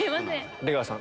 出川さん。